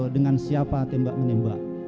dengan siapa tembak menembak